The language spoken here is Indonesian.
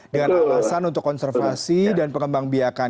dengan alasan untuk konservasi dan pengembang biakan